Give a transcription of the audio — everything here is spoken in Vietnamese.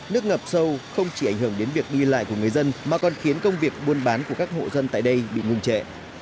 nước ngập sâu không chỉ ảnh hưởng đến việc đi lại của người dân mà còn khiến công việc buôn bán của các hộ dân tại đây bị ngừng trệ